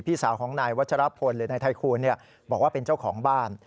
พี่สาวของนายวัชรพลหรือนายไทคูณบอกว่าเป็นเจ้าของบ้าน